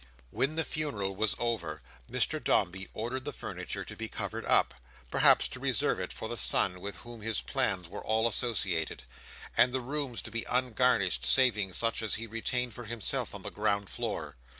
When the funeral was over, Mr Dombey ordered the furniture to be covered up—perhaps to preserve it for the son with whom his plans were all associated—and the rooms to be ungarnished, saving such as he retained for himself on the ground floor.